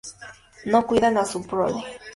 No cuidan a su prole.